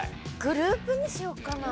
グループにしようかな。